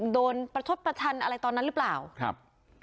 โดนประชดประชันอะไรตอนนั้นหรือเปล่าครับ